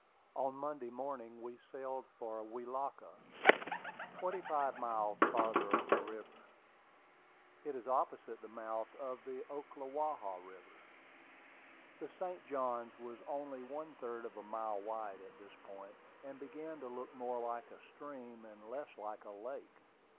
On Monday morning we sailed for Welaka, twenty five miles farther up the river. It is opposite the mouth of the Ocklawaha River. The St. Johns was only one third of a mile wide at this point, and began to look more like a stream and less like a lake.